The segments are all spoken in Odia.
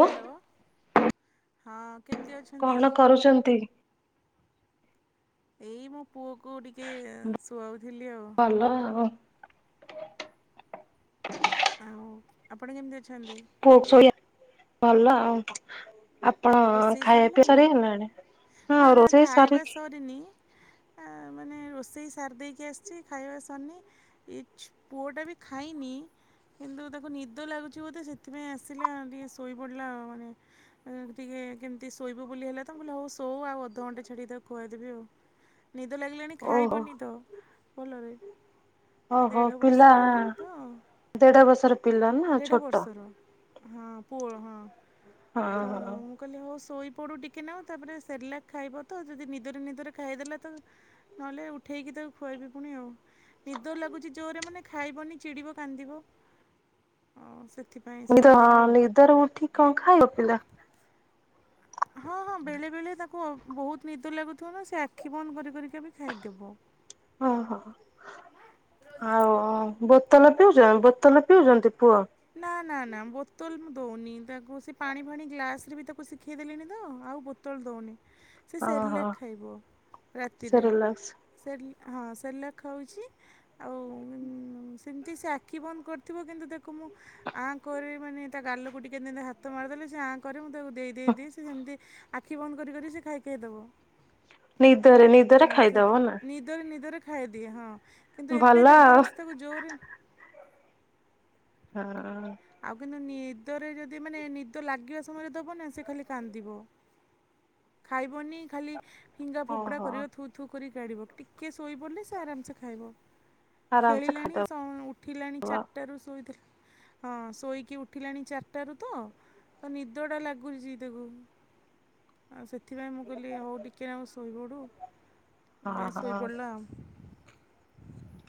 ହ୍ୟାଲୋ ହଁ କେମିତି ଅଛ କଣ କରୁଛନ୍ତି? ଏଇ ମୋ ପୁଅକୁ ଟିକେ ଶୁଆଉଥିଲି ଆଉ। ଭଲ ଆଉ। ଆଉ ଆପଣ କେମିତି ଅଛନ୍ତି? ପୁଅ ଶୋଇଆ ଭଲ ଆଉ। ଆପଣ ରୋଷେଇ ଖାଇବା ପିଇବା ସରିଲାଣି? ସରି ଗଲାଣି ହଁ ରୋଷେଇ ସାରିକି କରିନି ଆ ମାନେ ରୋଷେଇ ସାରି ଦେଇକି ଆସିଛି ଖାଇବା ସରିନି। ଏ ଛୁ ପୁଅଟା ବି ଖାଇନି। କିନ୍ତୁ ତାକୁ ନିଦ ଲାଗୁଛି ବୋଧେ ସେଥିପାଇଁ ଆସିଲା ଟିକେ ଶୋଇପଡ଼ିଲା ଆଉ ମାନେ [unintelligible] ଟିକେ କେମିତି ଶୋଇବୁ ବୋଲି ହେଲା ତ ମୁଁ କହିଲି ହଉ ଶୋ ଆଉ ଅଧଘଣ୍ଟେ ଛାଡିକି ଖୁଆଇଦେବି ଆଉ। ନିଦ ଲାଗିଲାଣି ଓହୋ ଖାଇବନି ତ ଭଲରେ। ଓହୋ ଦେଢ ପିଲା ବର୍ଷର ତ ଦେଢ ବର୍ଷର ପିଲା ନା ଦେଢ଼ ଛୋଟ ବର୍ଷର। ହଁ ପୁଅ ହଁ ହଁ ତ ହଁ। ମୁଁ। କହିଲି ହଉ ଶୋଇପଡ଼ୁ ଟିକେ ନାଉ ତାପରେ ଶେରଲା ଖାଇବ ତ ଯଦି ନିଦରେ ନିଦରେ ଖାଇଦେଲା ତ ନହେଲେ ଉଠେଇକି ତାକୁ ଖୁଆଇବି ପୁଣି ଆଉ। ନିଦ ଲାଗୁଛି ଜୋରରେ ମାନେ ଖାଇବନି ଚିଡ଼ିବ କାନ୍ଦିବ। ହଁ ସେଥିପାଇଁ। ନିଦ ହଁ ଶୁଆଇଦେଲି ଆଉ ନିଦର ଉଠିକି କଣ ଖାଇବ ପିଲା? ହଁ ହଁ ବେଳେ ବେଳେ ତାକୁ ବହୁତ ନିଦ ଲାଗୁଥିବ ନା ସେ ଆଖି ବନ୍ଦ କରି କରିକା ବି ଖାଇଦେବ। ହଁ ହଁ। ଆଉ ବୋତଲ ପିଉଛ ବୋତଲ ପିଉଛନ୍ତି ପୁଅ? ନା ନା ନା ବୋତଲ ମୁଁ ଦଉନି ତାକୁ ସେ ପାଣି ଫାଣି ଗ୍ଲାସ ରେ ବି ତାକୁ ଶିଖେଇ ଦେଲିଣି ତ ଆଉ ବୋ ବୋତଲ ଦଉନି ସେ ଶେରଲା ଓହୋ। ଖାଇବ ରାତିରେ। ସେରେଲାକ୍ସ ସେର ହଁ ଶେରଲା ଖାଉଛି। ଆଉ ସେମିତି ସେ ଆଖି ବନ୍ଦ କରିଥିବ କିନ୍ତୁ ତାକୁ ତା ମୁଁ ଆଁ କରିବି ମାନେ ତା ଗାଲକୁ ଟିକେ ହାତ ମାରିଦେଲେ ସେ ଆ କରି ମୁଁ ତାକୁ ଦେଇ ଦେଇେ ଦେଇ ସେ ଯେମିତି ଆଖି ବନ୍ଦ କରିିକରି ସେ ଖାଇ ଖାଇ ଦବ। ନିଦ ରେ ନି ଅମ୍ବୃତ ନିଦରେ ନିଦରେ ଖାଇଦିଏ ହଁ, କିନ୍ତୁ ଭଲ ଏବେ ଆଉ। ଜବରସ୍ତକୁ ଜୋରେ ହଁ ଆଉ କିନ୍ତୁ ନିଦରେ ଯଦି ମାନେ ନିଦ ଲାଗିବା ସମୟରେ ଦବ ନା ସେ ଖାଲି କାନ୍ଦିବ। ଖାଇବନି ଖାଲି ଫିଙ୍ଗା ଫୋପଡ଼ା ଓହୋ କରିବ ଥୁ ଥୁ କରି ଗାଢ଼ିବ ଟିକିଏ ଶୋଇପଡ଼ିଲେ ସେ ଆରାମସେ ଖାଇବ। ଆରାମସେ ଖେଳିଲାଣି ଖାଇଦବ ସ ଉଠିଲାଣି ଚାରିଟାରୁ ଶୋଇଥିଲା। ହଁ ଶୋଇକି ଉଠିଲାଣି ଚାରିଟାରୁ ତ ଅ ନିଦଡ଼ା ଲାଗୁଛି ତାକୁ। ଆଉ ସେଥିପାଇଁ ମୁଁ କହିଲି ହଉ ଟିକେ ଆଉ ଶୋଇପଡ଼ୁ ହଁ ସେଥିପାଇଁ ଶୋଇ ହଁ। ପଡ଼ିଲା ଆଉ।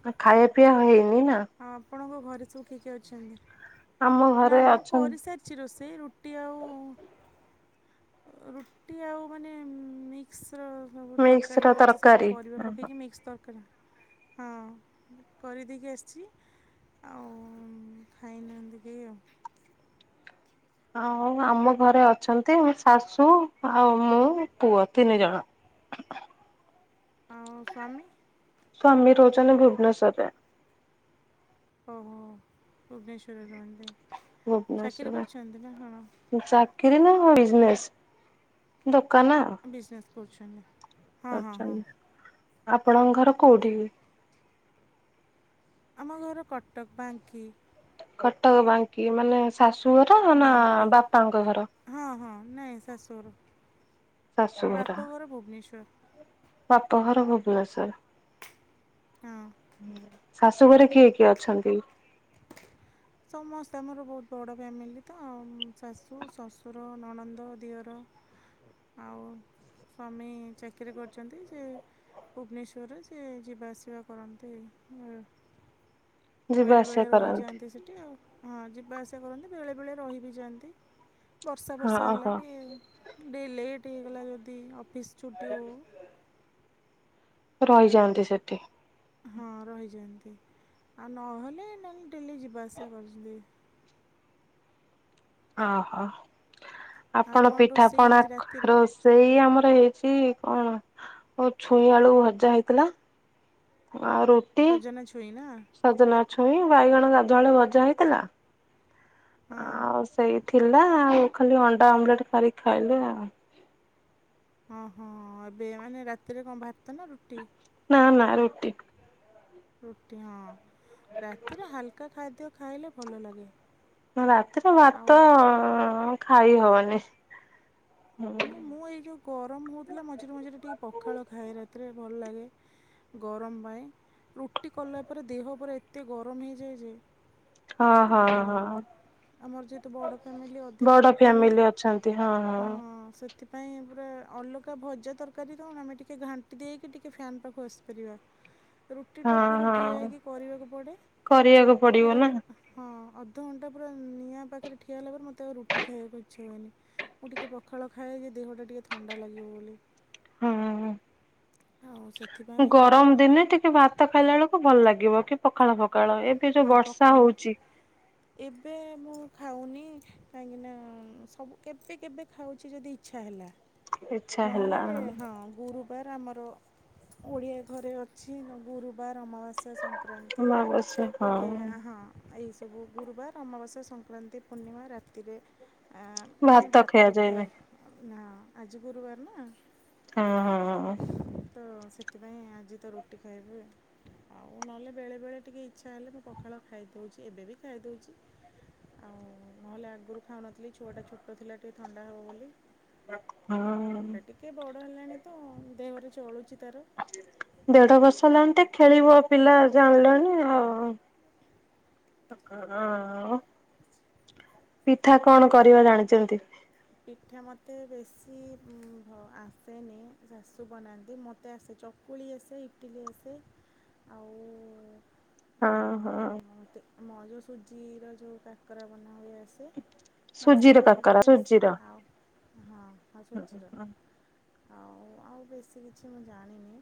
ଆଉ ଖାଇବା ପିଇବା ହେଇନି ନା? ହଁ ଆପଣଙ୍କ ଘରେ ସବୁ କି କିଏ ଅଛନ୍ତି? ଆମ ଘରେ ନା ମୁଁ ଅଛନ୍ତି କରିସାରିି ଛି ରୋଷେଇ ରୁଟି ଆଉ। ରୁଟି ଆଉ ମାନେ ମିକ୍ସ ର। ସବୁ ମିକ୍ସ ତରକାରୀ ର କରିୁଛି ସବୁ ତରକାରୀ। ପରିବା ପକେଇକି ମିକ୍ସ ତରକାରୀ। ହଁ କରିଦେଇକି ଆସିଛି। ଆଉ ଖାଇନାହାନ୍ତି କେହି ଆଉ। ଆଉ ଆମ ଘରେ ଅଛନ୍ତି ମୋ ଶାଶୁ ଆଉ ମୁଁ ପୁଅ ତିନି ଜଣ। ଆଉ ସ୍ୱାମୀ। ସ୍ୱାମୀ ରହୁଛନ୍ତି ଭୁବନେଶ୍ଵର ରେ। ଓହୋ ଭୁବନେଶ୍ୱର ରେ ରୁହନ୍ତି। ଚାକିରି କରୁଛନ୍ତି ନା କଣ ଭୁବନେଶ୍ୱରେ। ଚାକିରୀ ନା ହଁ ବିଜନେସ୍ ଦୋକାନ ଆଉ। ବିଜିନେସ୍ କରୁଛନ୍ତି। ହଁ ହଁ ହଁ କରୁଛନ୍ତି ଆପଣଙ୍କ ଘର କୋଉଠି କି। ଆମ ଘର କଟକ ବାଙ୍କି। କଟକ ବାଙ୍କି ମାନେ ଶାଶୁ ଘର ନା ବାଙ୍କି ବାପାଙ୍କ ଘର? ହଁ ହଁ ନାହିଁ ଶାଶୁଘର ମୋ ବାପଘର ଭୁବନେଶ୍ୱର। ବାପ ଘର ଭୁବନେଶ୍ୱର। ହୁଁ। ଶାଶୁ ଘରେ କିଏ କିଏ ଅଛନ୍ତି। ହ [inaudible] ସମସ୍ତେ ଆମର ବହୁତ ବଡ଼ ଫ୍ୟାମିଲି ତ, ଉଁ ଶାଶୁ, ଶ୍ୱଶୁର, ନଣନ୍ଦ, ଦିଅର। ଆଉ ସ୍ୱାମୀ ଚାକିରି କରିଛନ୍ତି ସେ। ଭୁବନେଶ୍ୱର ରେ ସିଏ ଯିବା ଆସିବା କରନ୍ତି ଏ। ଯିବା ବେଳେ ବେଳେ ଆସିବା ରହି କରନ୍ତି? ଯାଆନ୍ତି ସେଠି ଆଉ ହଁ ଯିବା ଆସିବା କରନ୍ତି ବେଳେ ବେଳେ ରହି ବି ଯାଆନ୍ତି। ବର୍ଷା ହଁ ଫର୍ଷା ହେଲା ହଁ। କି ଲେଟ୍ ହେଇଗଲା ଯଦି ଅଫିସ୍ ଛୁଟି ହଉ ହଉ ରହି ଯାଆନ୍ତି ସେଠି। ହଁ ରହିଯାଛନ୍ତି ଆଉ ନହେଲେ ନହେଲେ ଡେଲି ଯିବା ଆସିବା କରୁଛନ୍ତି। ଅ ହ ଆଉ ଆପଣ କ'ଣ ରୋଷେଇ ପିଠାପଣା ଆଜି ରାତିରେ ରୋଷ ସେଇ ଆମର ହେଇଛି କଣ ଓ ଛୁଇଁ ଆଳୁ ଭଜା ହେଇଥିଲା। ଆଉ ରୁ ସଜନା ଛୁଇଁ ନା। ସଜନା ଛୁଇଁ ବାଇଗଣ ଗାଧୁଆବେଳେ ଭଜା ହେଇଥିଲା। ହଁ ଆଉ ସେଇ ଥିଲା ଆଉ ଖାଲି ଅଣ୍ଡା ଅମଲେଟ କରିକି ଖାଇଲୁ ଆଉ। ଓ ହଁ ଏବେ ମାନେ ରାତିରେ କଁ ଭାତ ନା ରୁଟି? ନା ନା ରୁଟି। ରୁଟି ହଁ ରାତିରେ ହାଲ୍କା ଖାଦ୍ୟ ଖାଇଲେ ଭଲ ଲାଗେ। ହଁ ରାତିରେ ଆଉ ଭାତ ଖାଇ ହବନି। ନାଇ ମୁଁ ଏଇ ଯୋଉ ଗରମ ହଉଥିଲା ମଝିରେ ମଝିରେ ଟିକେ ପଖାଳ ଖାଏ ରାତିରେ ଭଲ ଲାଗେ। ଗରମ ପାଇଁ ରୁଟି କଲା ପରେ ଦେହ ପୁରା ଏତେ ଗରମ ହେଇଯାଏ ଯେ। ହଁ ହଁ ଆଉ ହଁ। ଆମର ଯେହେତୁ ବଡ଼ ଫାମିଲି ଅଧିକା ବଡ ରୁଟି ହୁଏ ଫ୍ୟାମିଲି ଅଛନ୍ତି ହଁ ସେଥି ପୁରା ଅଲଗା ଭଜା ତରକାରୀ କଣ ଆମେ ଟିକେ ଘାଣ୍ଟି ଦେଇକି ଟିକେ ଫ୍ୟାନ୍ ପାଖକୁ ଆସିପାରିବା। ରୁଟିଟା ହଁ ପୁରା ଠିଆ ହଁ। ହେଇକି କରିବାକୁ ପଡ଼େ କରିବାକୁ ତ ପଡିବ ପୁରା ନା ହଁ ଅଧଘଣ୍ଟା ପୁରା ନିଆଁ ପାଖରେ ଠିଆ ହେଲା ପରେ ମୋତେ ଆଉ ରୁଟି ଖାଇବାକୁ ଇଚ୍ଛା ହୁଏନି। ମୁଁ ଟିକେ ପଖାଳ ଖାଏ ଯେ ଦେହଟା ଟିକେ ଥଣ୍ଡା ଲାଗିବ ବୋଲି। ହଁ ହଁ। ହଉ ସେ ଗରମ ଦିନେ ଟିକେ ଭାତ ଖାଇଲା ବେଳକୁ ଭଲ ଲାଗିବ। ପଖାଳ ପଖାଳ ଏବେ ଯୋଉ ହଁ ବର୍ଷା ପଖାଳ ହେଉଚି। ଏବେ ମୁଁ ଖାଉନି କାହିଁକି ନା ସବୁ କେବେ କେବେ ଖାଉଛି ଯଦି ଇଚ୍ଛା ହେଲା। ଇଚ୍ଛା ହେଲା ନହେଲେ ହଁ ଗୁରୁ ଆମର ଓଡ଼ିଆ ଘରେ ଅଛି ଗୁରୁବାର ଅମାବାସ୍ୟା ସଂକ ଅମାବାସ୍ୟା। ଟିକେ ହଁ ଏହିସବୁ ଗୁରୁବାର ଅମାବାସ୍ୟା ସଂକ୍ରାନ୍ତି ପୂର୍ଣ୍ଣିମା ରାତିରେ ମାନେ ଭାତ ଖାଏ ନା ଆଜି ଗୁରୁବାର ନା। ହଁ ହଁ ହିଁ। ତ ସେଥିପାଇଁ ଆଜି ତ ରୁଟି ଖାଇବି ଆଉ ନହେଲେ ବେଳେବେଳେ ଟିକେ ଇଚ୍ଛା ହେଲେ ମୁଁ ପଖାଳ ଖାଇଦେଉଛି ଏବେ ବି ଖାଇ ଦେଉଛି। ଆଉ ନହେଲେ ଆଗରୁ ଖାଉନଥିଲି ଛୁଆଟା ଛୋଟ ଥିଲା ଟିକେ ଥଣ୍ଡା ହେବ ବୋଲି। ହୁଁ ହୁଁ। ଏବେ ଟିକେ ବଡ଼ ହେଲାଣି ତ ଦେହରେ ଚଳୁଛି ତାର। ଦେଢ଼ ବର୍ଷ ହେଲାଣି ଖେଳିବ ପିଲା ଜାଣିଲାଣି ଆଉ। ପିଠା କଣ କରିବା ଜାଣିଛନ୍ତି? ପିଠା ମୋତେ ବେଶୀ ଆସେନି ଶାଶୁ ବନାନ୍ତି ମୋତେ ଆସେ ଚକ ଚକୁଳି ଆସେ ଇଟିଲି ଆସେ ଆଉ ହଁ ହଁ। ମୋତେ ମ ଯେଉଁ ସୁଜିର ଯେଉଁ କାକରା ବନା ହୁଏ ଆସ ସୁଜିର କାକରା ସୁଜିର। ଆଉ ହଁ ସୁଜିର। ଆଉ ଆଉ ବେଶୀ କିଛି ମୁଁ ଜାଣିନି।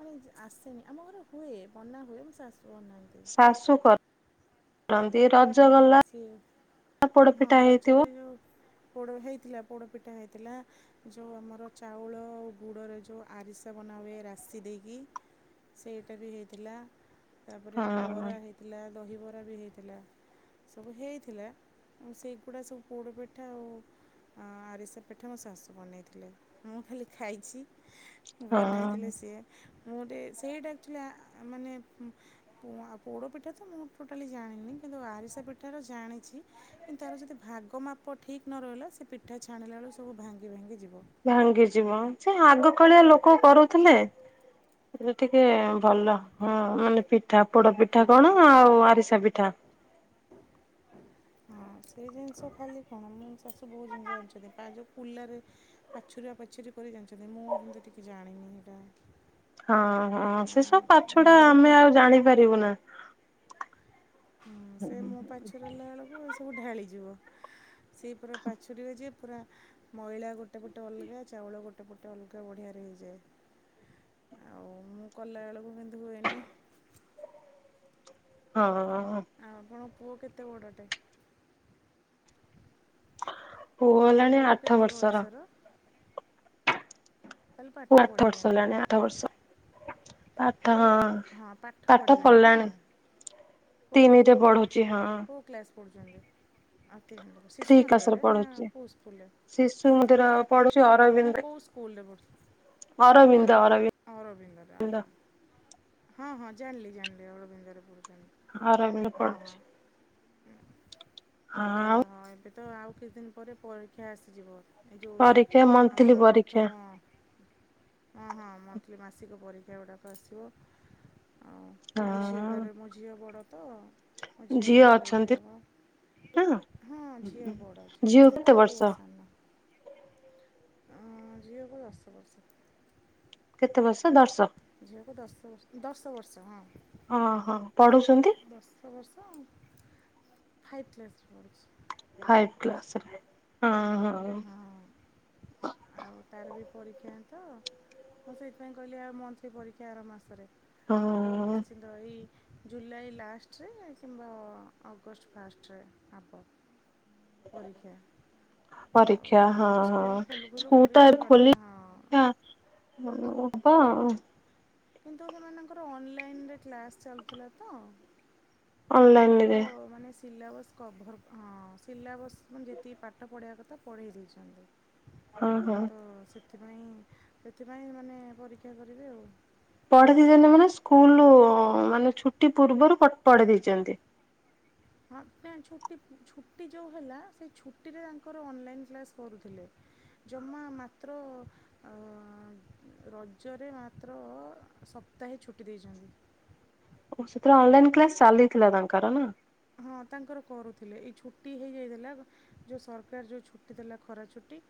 ମାନେ ଆସେନି ଆମ ଘରେ ହୁଏ ବନା ହୁଏ ମୋ ଶାଶୂ ବନାନ୍ତି। ଶାଶୁ କରନ୍ତି ରଜ ହଁ ଗଲା ସିଏ ହଁ ପୋଡ଼ପିଠା ହେଇଥିବ। ରଜରେ ଯୋଉ ପୋଡ଼ ହେଇଥିଲା ପୋଡ଼ପିଠା ହେଇଥିଲା। ଯେଉଁ ଆମର ଚାଉଳ ଆଉ ଗୁଡ଼ରେ ଯେଉଁ ଆରିସା ବନାହୁଏ ରାଶି ଦେଇକି ସେଇଟା ବି ହେଇଥିଲା ତାପରେ ହଁ ବରା ହେଇଥିଲା ଦହିବରା ବି ହେଇଥିଲା। ସବୁ ହେଇଥିଲା ସେଇଗୁଡ଼ା ସବୁ ପୋଡ଼ପିଠା ଆଉ ଆରିଷା ପିଠା ମୋ ଶାଶୁ ବନେଇଥିଲେ ମୁଁ ଖାଲି ଖାଇଛି। ହଁ ବନାଇଥିଲେ ସିଏ ମୁ ସେଇଟା ଆକ୍ଚୁଲି ମାନେ ପୋଡ଼ ପିଠା ତ ମୁଁ ଟୋଟାଲି ଜାଣିନି କିନ୍ତୁ ଆରିସା ପିଠାର ଜାଣିଛି। କିନ୍ତୁ ତାର ଯଦି ଭାଗ ମାପ ଠିକ୍ ନ ରହିଲା ସେ ପିଠା ଛାଣିଲା ବେଳ ସବୁ ଭାଙ୍ଗି ଭାଙ୍ଗି ଯିବ। ଭାଙ୍ଗି ଯିବ ସେ ଆଗ କାଳିଆ ଲୋକ କରୁଥିଲେ। ଟିକେ ଭଲ ହଁ ମାନେ ପିଠା ପୋଡ଼ ପିଠା କଣ ଆଉ ଆରିସା ପିଠା। [inaudible] ହଁ ସେଇ ଜିନିଷ ଖାଲି କଣ ମୋ ଶାଶୁ ବହୁତ ଜିନିଷ ଜଣିଛନ୍ତି ଯୋଉ କୁଲରେ ପାଛୁରା ପାଛୁରା କରି ଜାଣିଛନ୍ତି ମୁଁ କିନ୍ତୁ ଟିକେ ଜାଣିନି ସେଇଟା। ହଁ ହଁ ସେଶ ପାଛୁଡା ମୋର ମୁଁ ଆମେ ଆଉ ଜାଣିପାରିବୁ ନା। ହୁଁ ସେ ମୁଁ ପାଛୋରିଲା ବେଳକୁ ଏସବୁ ଢାଳିଯିବ। ସେ ପୁରା ପାଛୁରିବେ ଯେ ପୁରା ମଇଳା ଗୋଟେ ପଟେ ଅଲଗା ଚାଉଳ ଗୋଟେ ପଟେ ଅଲଗା ବଢିଆରେ ହେଇଯାଏ। ଆଉ ମୁଁ କଲାବେଳକୁ କିନ୍ତୁ ହୁଏନି। ହଁ-ଅଁ ଆଉ ଆପଣଙ୍କ ପୁଅ କେତେ ବଡ଼ଟେ? ପୁଅକୁ ହେଲାଣି ପୁଅ ଆଠ କେତେ ବର୍ଷର। ବୟସର ତାହେଲେ ପାଠ ଆଠ ବର୍ଷ ପଢ଼ିବେଣି ହେଲାଣି ଆଠ ବର୍ଷ। ପାଠ ହଁ ନହେଲେ ହଁ ପାଠ ପଢ଼ିବେଣି ନା ପଢିଲାଣି ତିନିରେ ପଢୁଛି ହଁ। ପଢୁଚନ୍ତି ଆତି ଶିଶୁ ମନ୍ଦିରରେ ନା କୋଉ ସ୍କୁଲରେ? ଶିଶୁମନ୍ଦିର ପଢୁଛି ନା ଅରବିନ୍ଦରେ କେଉଁ ସ୍କୁଲରେ ପଢ଼ୁ ଅରବିନ୍ଦ ଅରବିନ୍ଦ। ଅରବିନ୍ଦରେ ଆଚ୍ଛା ହଁ ହଁ ଜାଣିଲି ଜାଣିଲି ଅରବିନ୍ଦରେ ପଢ଼ୁଛନ୍ତି। ଅରବିନ୍ଦ ହଁ ପଡ଼ୁଚି। ହଁ ଯାହା ଆଉ ହଉ ଏବେତ ଆଉ କିଛି ଦିନ ପରେ ପରୀକ୍ଷା ଆସିଯିବ। ଏ ଯେଉଁ ପରୀକ୍ଷା ଆମର ମନ୍ଥଲି ପ୍ରଥମ ପରୀକ୍ଷା। ହଁ ହଁ ମନ୍ଥଲି ମାସିକ ପରୀକ୍ଷାଗୁଡ଼ାକ ଆସିବ। ଆଉ ମୋ ଝିଅଟାରେ ହଁ ମୋ ଝିଅ ବଡ଼ ତ। ମୋ ଝିଅ ଝିଅରବି ପରୀକ୍ଷା ଅଛନ୍ତି ହେବ ନା ହଁ ଝିଅ ବଡ଼ ଝିଅ ବଡ଼ କେତେ ପୁଅ ବର୍ଷ? ସା ଉଁ ଝିଅକୁ ଦଶ ବର୍ଷ। କେତେ ବର୍ଷ ଦଶ। ଝିଅକୁ ଦଶବର୍ଷ ଦଶବର୍ଷ ହଁ। ଓହୋ ପଢୁଚନ୍ତି? ଦଶ ବର୍ଷ ପାଇପ୍ କ୍ଳାସରେ ପଢୁଛି। ପାଇପ୍ କ୍ଳାସରେ ହଁ ହଁ। ହଁ ଆଉ ତାରବି ପରୀକ୍ଷା ତ। ମୁଁ ସେଇଥିପାଇଁ କହିଲି ଆଉ ମନ୍ଥଲି ପରୀକ୍ଷା ଆର ମାସରେ। ତ ହଁ। ନିଶ୍ଚିନ୍ତ ଏଇ ଜୁଲାଇ ଲାଷ୍ଟରେ କିମ୍ବା ଅଗଷ୍ଟ ଫାଷ୍ଟରେ ଆବ। ପରୀକ୍ଷା। ଆଉ ପରୀକ୍ଷା ସବୁ ହଁ ତ ହଁ ସ୍କୁଲ ଖୋଲୁ ଖୋଲୁ ସ୍କୁଲତ ପରୀକ୍ଷା ଏବେ ଫରୀକ୍ଷା ହଁ ଖୋଲିଲା ଉଁ ହଁ। କିନ୍ତୁ ସେମାନଙ୍କର ଅନଲାଇନରେ କ୍ଲାସ୍ ଚାଲୁଥିଲାତ ତାଙ୍କର ଅନଲାଇନରେ ମାନେ ସିଲାବସ୍ କଭର୍ ହଁ ସିଲାବସ୍ ମାନେ ଯେତିକି ପାଠ ପଢ଼େଇବା କଥା ପଢ଼େଇ ଦେଇଚନ୍ତି। ହଁ ହଁ। ତ ସେଥିପାଇଁ ସେଥିପାଇଁ ମାନେ ପରୀକ୍ଷା କରିବେ ଆଉ। ପଢେଇ ଦେଇଚନ୍ତି ମାନେ ସ୍କୁଲ ମାନେ ଛୁଟି ପୂର୍ବରୁ ପଢେଇ ଦେଇଛନ୍ତି। ହଁ ଛୁଟି ଛୁଟି ଯେଉଁ ହେଲା ସେଇ ଛୁଟିରେ ତାଙ୍କର ଅନଲାଇନ୍ କ୍ଲାସ୍ କରୁଥିଲେ। ଜମା ମାତ୍ର ଆ ରଜରେ ମାତ୍ର ସପ୍ତାହେ ଛୁଟି ଦେଇଛନ୍ତି। ଓ ସେତେଳେ ଅନଲାଇନ୍ କ୍ଲାସ୍ ଚାଲିଥିଲା ତାଙ୍କର ନା। ହଁ ତାଙ୍କର କରୁଥିଲେ ଏଇ ଛୁଟି ହେଇଯାଇଥିଲା। ଯୋଉ ସରକାର ଯୋଉ ଛୁଟି ଦେଲା ଖରା ଛୁଟି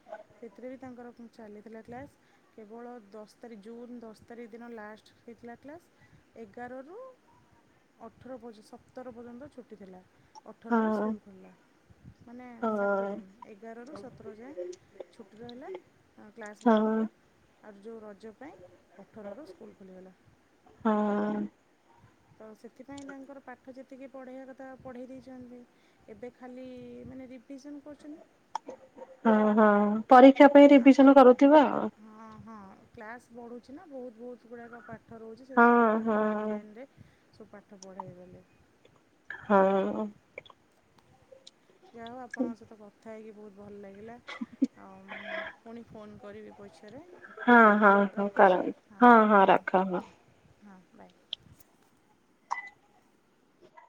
ସେଥିରେବି ତାଙ୍କର ଚାଲିଥିଲା କ୍ଲାସ୍ କେବଳ ଦଶ ତାରିଖ ଜୁନ୍ ଦଶ ତାରିଖ ଦିନ ଲାଷ୍ଟ ହେଇଥିଲା କ୍ଲାସ୍ ଏଗାରରୁ ଅଠର ପର୍ଯ୍ୟନ୍ତ ସତର ପର୍ଯ୍ୟନ୍ତ ଛୁଟି ଥିଲା। ହଁ ଅଠରରେ ସ୍କୁଲ ଖୋଲିଲା ମାନେ ହଁ। ସାତଦିନ୍ ଏଗାରରୁ ସତର ଯାଏଁ ଛୁଟି ରହିଲା କ୍ଲାସ୍ ହଁ ବନ୍ଦ ହେଲା। ଆର୍ ଯୋଉ ରଜ ପାଇଁ ଅଠରରୁ ସ୍କୁଲ ଖୋଲିଗଲା। ହଁ। ତ ସେଥିପାଇଁ ତାଙ୍କର ପାଠ ଯେ ଟିକେ ପଢ଼େଇବା କଥା ପଢ଼େଇ ଦେଇଛନ୍ତି ଏବେ ଖାଲି ମାନେ ରିଭିଜନ କରୁଛନ୍ତି। ହଁ ହଁ ପରୀକ୍ଷା ପାଇଁ ଆଉ ରିଭିସନ ପରୀକ୍ଷା କରୁଥିବ ଆଉ ହଁ ହଁ କ୍ଲାସ ବଢ଼ୁଛି ନା ବହୁତ ବହୁତ ଗୁଡାକ ପାଠ ରହୁଛି ଆଉ ସେମଥିପାଇଁ ହଁ ସେମାନେ ହଁ। ଅନଲାଇନରେ ସବ ପାଠ ପଢ଼େଇଗଲେ। ହଁ। ଯାହା ହଉ ଆପଣଙ୍କ ସହିତ କଥା ହେଇକି ବହୁତ ଭଲ ଲାଗିଲା ଆଉ ମୁଁ ପୁଣି ଫୋନ୍ କରିବି ପଛରେ। ହଁ ହଁ ହଁ କରନ୍ତୁ ହଁ ହଁ ରଖ ହଁ। ହଁ ବାଏ।